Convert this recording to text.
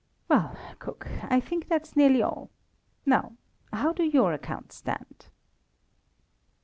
Well, cook, I think that's nearly all! Now how do your accounts stand?"